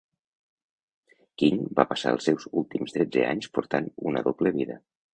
King va passar els seus últims tretze anys portant una doble vida.